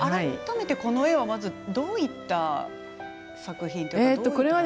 改めてこの絵はまずどういった作品というか。